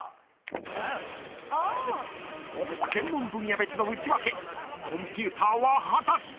［専門分野別のウチワケコンピュータは果たして⁉］